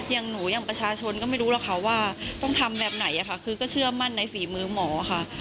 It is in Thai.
อย่างหนูอย่างประชาชนก็ไม่รู้หรอกค่ะว่าต้องทำแบบไหนค่ะคือก็เชื่อมั่นในฝีมือหมอค่ะ